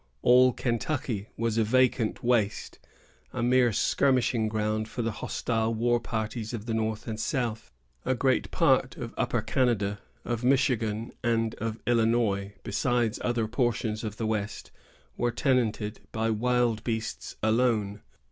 All Kentucky was a vacant waste, a mere skirmishing ground for the hostile war parties of the north and south. A great part of Upper Canada, of Michigan, and of Illinois, besides other portions of the west, were tenanted by wild beasts alone.